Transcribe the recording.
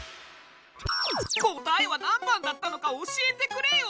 答えは何番だったのか教えてくれよ！